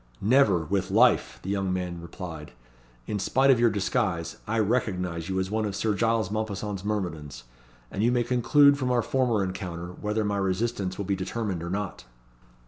"Never, with life," the young man replied. "In spite of your disguise, I recognise you as one of Sir Giles Mompesson's myrmidons; and you may conclude from our former encounter, whether my resistance will be determined or not."